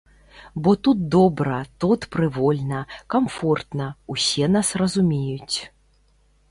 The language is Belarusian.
Бо тут добра, тут прывольна, камфортна, усе нас разумеюць.